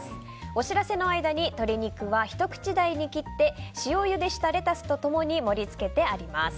お知らせの間に鶏肉はひと口大に切って塩ゆでしたレタスと共に盛り付けてあります。